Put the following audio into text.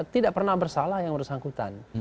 tidak pernah bersalah yang harus dianggurkan